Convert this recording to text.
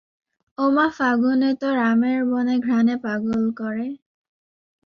ও মা, ফাগুনে তোর আমের বনে ঘ্রাণে পাগল করে